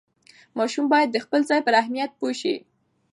ماشوم باید د خپل ځای پر اهمیت پوه شي.